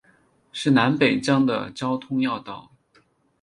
是南北疆的交通要道。